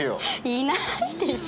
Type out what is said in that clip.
いないでしょ？